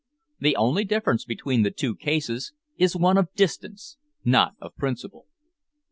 The only difference between the two cases is one of distance, not of principle.